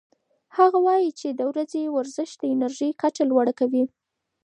هغه وايي چې د ورځې ورزش د انرژۍ کچه لوړه کوي.